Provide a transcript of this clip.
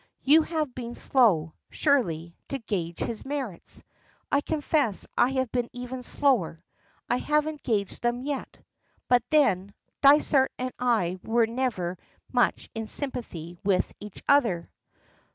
You have been slow, surely, to gauge his merits. I confess I have been even slower. I haven't gauged them yet. But then Dysart and I were never much in sympathy with each other."